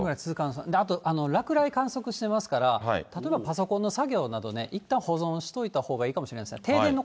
あと落雷観測してますから、例えばパソコンの作業などね、いったん保存しといたほうがいいかもしれない。